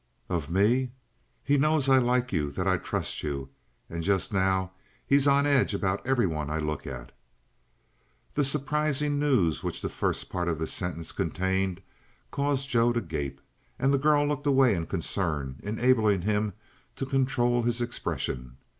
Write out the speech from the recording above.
"Of me?" "He knows I like you, that I trust you; and just now he's on edge about everyone I look at." The surprising news which the first part of this sentence contained caused Joe to gape, and the girl looked away in concern, enabling him to control his expression.